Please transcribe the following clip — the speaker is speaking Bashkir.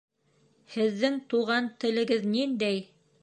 Һеҙҙең туған телегеҙ ниндәй?